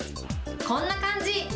こんな感じ。